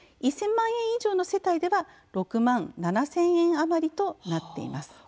１０００万円以上の世帯では６万７０００円余りとなっています。